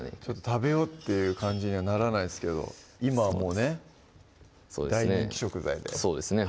食べようっていう感じにはならないですけど今はもうね大人気食材でそうですね